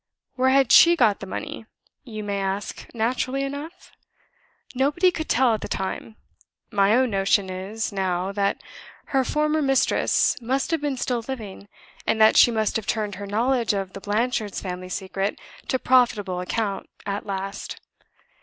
Where had she got the money, you may ask naturally enough? Nobody could tell at the time. My own notion is, now, that her former mistress must have been still living, and that she must have turned her knowledge of the Blanchards' family secret to profitable account at last.